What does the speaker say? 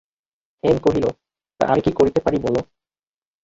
হেম কহিল, তা আমি কী করিতে পারি বলো।